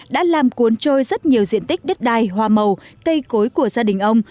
đã làm cuốn trôi rất nhiều diện tích đất đai hoa màu cây cối của gia đình ông